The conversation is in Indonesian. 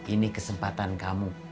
ini kesempatan kamu